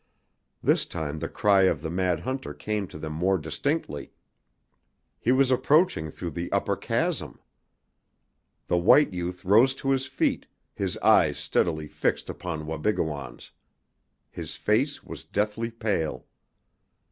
This time the cry of the mad hunter came to them more distinctly. He was approaching through the upper chasm! The white youth rose to his feet, his eyes steadily fixed upon Wabigoon's. His face was deathly pale.